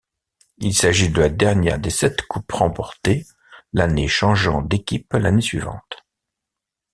Il s'agit de la dernière des sept Coupes remportées, l'année changeant d'équipe l'année suivante.